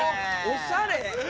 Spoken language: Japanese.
おしゃれ。